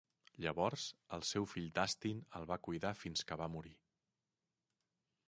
Llavors, el seu fill Dustin el va cuidar fins que va morir.